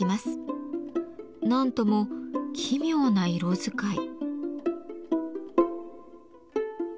何とも奇妙な色使い。